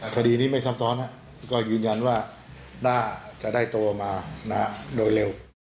คดีนี้ไม่ซ้ำซ้อนก็ยืนยันว่าน่าจะได้ตัวมาโดยเร็ว